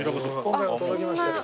今回も届きました。